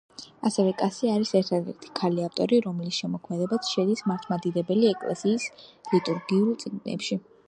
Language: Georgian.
ასევე კასია არის ერთადერთი ქალი ავტორი, რომლის შემოქმედებაც შედის მართლმადიდებელი ეკლესიის ლიტურგიკულ წიგნებში.